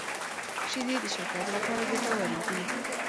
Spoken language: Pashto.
شیدې د شکر لپاره ګټورې دي